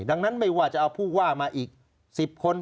ดังนั้นไม่ว่าจะเอาผู้ว่ามาอีก๑๐คน